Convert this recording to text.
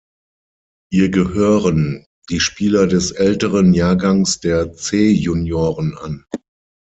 Ihr gehören die Spieler des älteren Jahrgangs der C-Junioren an.